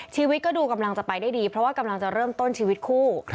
ชีวิตก็ดูกำลังจะไปได้ดีเพราะว่ากำลังจะเริ่มต้นชีวิตคู่